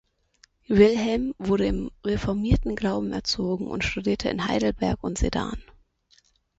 Wilhelm wurde im reformierten Glauben erzogen und studierte in Heidelberg und Sedan.